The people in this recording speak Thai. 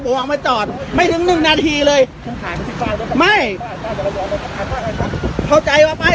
ผมเอามาจอดไม่ถึงหนึ่งนาทีเลยไม่เข้าใจว่าป้าย